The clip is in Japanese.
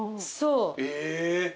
そう。